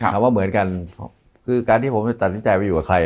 ว่าเหมือนกันคือการที่ผมจะตัดสินใจไปอยู่กับใคร